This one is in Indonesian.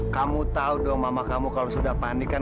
kamu tahu dong mama kamu kalau sudah panik kan